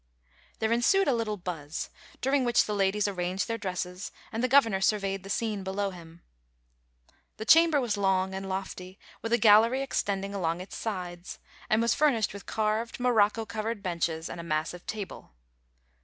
There ensued a little buzz, during which the ladies ar ranged their dresses and the Governor sun*eyed the scene below him. The chamber was long and lofty, with a gallery extending along its sides, and was furnished with carved, morocco covered benches, and a massive table.